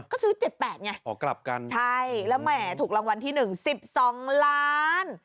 ก็ซื้อเจ็ดแปดไงอ๋อกลับกันใช่แล้วแหมถูกรางวัลที่หนึ่งสิบสองล้าน